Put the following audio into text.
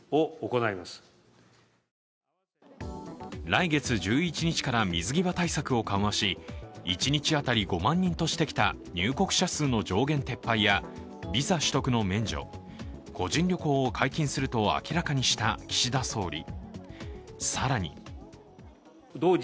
来月１１日から水際対策を緩和し一日当たり５万人としてきた入国者数の上限撤廃やビザ取得の免除、個人旅行を解禁すると明らかにした岸田総理。